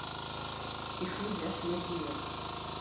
Kifuja nojiwo.